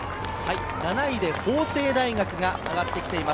７位で法政大学が上がってきています。